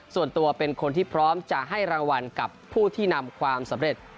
ส่วนตัวเป็นคนที่พร้อมจะให้รางวัลกับผู้ที่นำความสำเร็จ